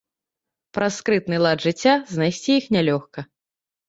Праз скрытны лад жыцця знайсці іх нялёгка.